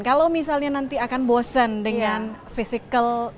kalau misalnya nanti akan bosen dengan physical